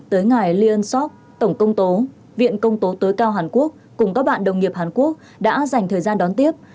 tới ngài ly ân sóc tổng công tố viện công tố tối cao hàn quốc cùng các bạn đồng nghiệp hàn quốc đã dành thời gian đón tiếp